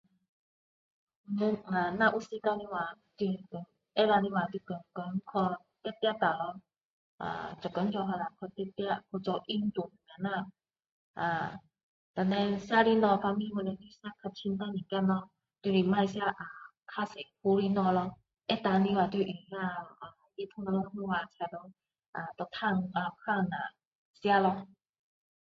若有时间的话能够对的话就天天去跑跑下做工做好下去跑跑去做运动下啊然后吃的东西吃比较清淡一点咯就是不要吃啊比较多炸的东西可以的话就放热汤啦那个菜咯啊烫下吃咯